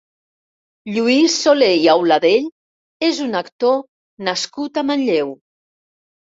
Lluís Soler i Auladell és un actor nascut a Manlleu.